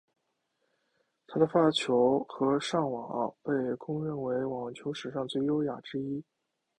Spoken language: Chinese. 他的发球和上网被公认为网球史上最优雅之一。